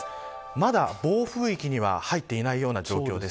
まだ暴風域には入っていないような状況です。